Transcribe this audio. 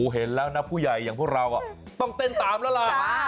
เห็นแล้วนะผู้ใหญ่อย่างพวกเราต้องเต้นตามแล้วล่ะ